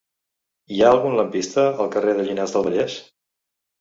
Hi ha algun lampista al carrer de Llinars del Vallès?